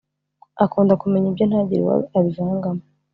akunda kumenya ibye ntagire uwo abivangamo